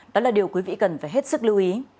đó là điều quý vị cần phải hết sức lưu ý